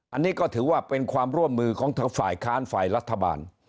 อันนี้ก็ถือว่าเป็นความร่วมมือของทางฝ่ายค้านฝ่ายรัฐบาล